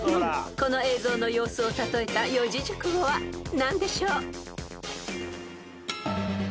［この映像の様子を例えた四字熟語は何でしょう］